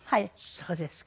そうですか。